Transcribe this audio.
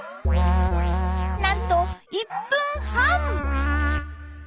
なんと１分半！